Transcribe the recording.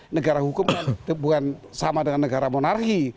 negara hukum bukan sama dengan negara monarki